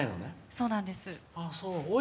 そうなんです。